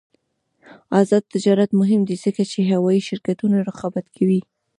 آزاد تجارت مهم دی ځکه چې هوايي شرکتونه رقابت کوي.